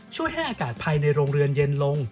ช่วยให้อากาศภายในโรงเรือนเย็นลง